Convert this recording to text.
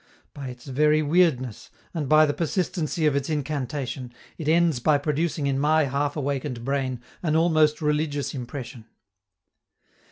By its very weirdness, and by the persistency of its incantation, it ends by producing in my half awakened brain an almost religious impression.